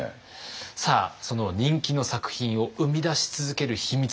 さあその人気の作品を生み出し続ける秘密。